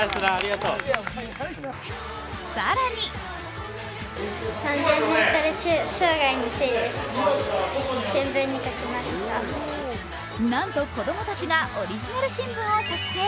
更になんと、子供たちがオリジナル新聞を作成。